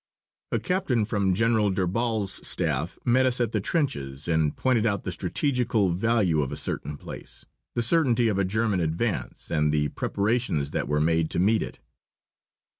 A captain from General d'Urbal's staff met us at the trenches, and pointed out the strategical value of a certain place, the certainty of a German advance, and the preparations that were made to meet it.